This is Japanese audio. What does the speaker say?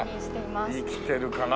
生きてるかな？